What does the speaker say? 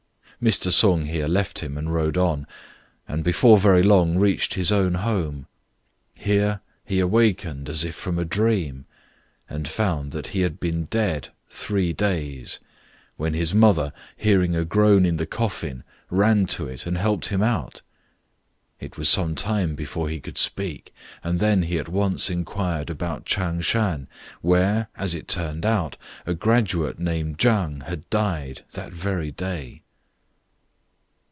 Mr. Sung here left him and rode on, and before very B 2 4 STRANGE STORIES long reached his own home; here he awaked as if from a dream, and found that he had been dead three days, 5 when his mother, hearing a groan in the coffin, ran to it and helped him out. It was some time before he could speak, and then he at once inquired about Ch'ang shan, where, as it turned out, a graduate named Chang had died that very day.